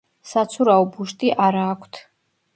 საცურაო ბუშტი არა აქვთ.